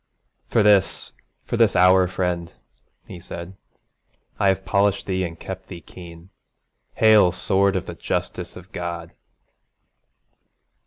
'For this, for this hour, friend,' he said, 'I have polished thee and kept thee keen. Hail, sword of the justice of God!'